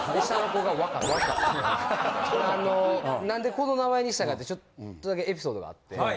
なんでこの名前にしたかってちょっとだけエピソードがあって。